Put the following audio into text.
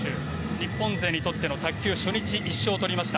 日本勢にとっての卓球初日１勝を取りました。